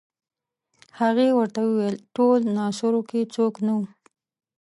هغې ورته وویل په ټول ناصرو کې څوک نه وو.